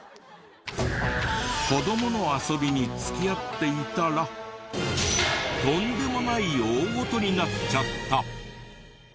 子どもの遊びに付き合っていたらとんでもない大事になっちゃった！